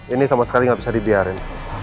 ini sama sekali nggak bisa dibiarin